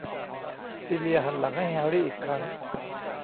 ซีเลียหันหลังให้แฮร์รี่อีกครั้ง